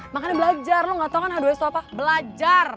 makanya belajar lo gak tau kan h dua itu apa belajar